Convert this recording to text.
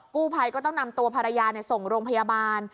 กู้ภัยก็ต้องนำตัวภรรยาส่งโรงพยาบาล